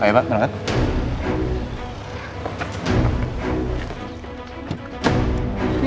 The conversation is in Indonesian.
baik mbak terima kasih